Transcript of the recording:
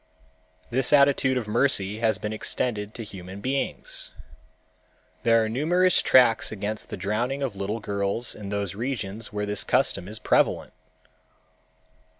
This attitude of mercy has been extended to human beings. There are numerous tracts against the drowning of little girls in those regions where this custom is prevalent.